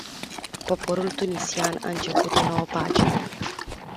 Poporul tunisian a început o nouă pagină.